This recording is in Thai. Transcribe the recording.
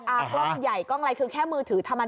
กล้องใหญ่กล้องอะไรคือแค่มือถือธรรมดา